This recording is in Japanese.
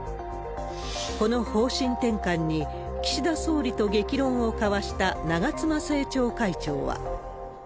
この方針転換に、岸田総理と激論を交わした長妻政調会長は。